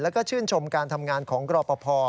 แล้วก็ชื่นชมการทำงานของกรปภ